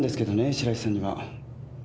白石さんには。